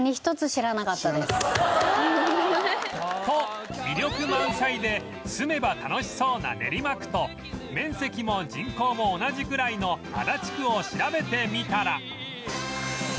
と魅力満載で住めば楽しそうな練馬区と面積も人口も同じぐらいの足立区を調べてみたら